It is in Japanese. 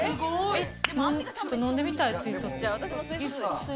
ちょっと飲んでみたい、水素水。